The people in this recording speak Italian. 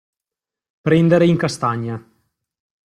Prendere in castagna.